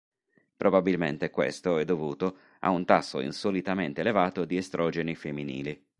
Probabilmente questo è dovuto a un tasso insolitamente elevato di estrogeni femminili.